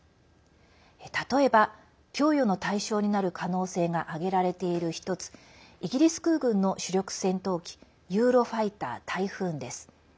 例えば、供与の対象になる可能性が挙げられている１つイギリス空軍の主力戦闘機「ユーロファイター・タイフーン」です。